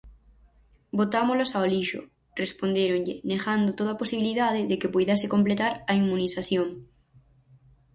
"Botámolas ao lixo", respondéronlle, negando toda posibilidade de que puidese completar a inmunización.